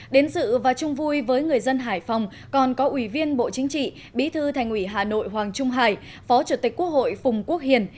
đến dự và chung vui với người dân hải phòng còn có ủy viên bộ chính trị bí thư thành ủy hà nội hoàng trung hải phó chủ tịch quốc hội phùng quốc hiền